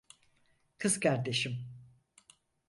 Kızkardeşim.